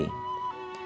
các bãi cát